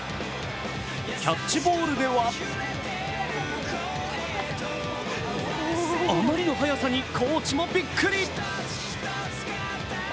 キャッチボールではあまりの速さにコーチもびっくり。